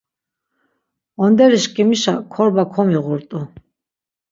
Onderişǩimişa korba komiğurt̆u.